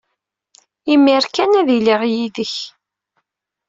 Imir kan ad d-iliɣ yid-k.